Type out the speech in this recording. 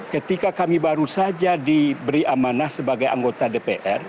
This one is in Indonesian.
ketika kami baru saja diberi amanah sebagai anggota dpr